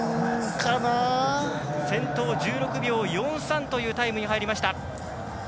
先頭、１６秒４３というタイムで入りました。